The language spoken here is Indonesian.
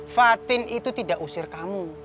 fatin itu tidak usir kamu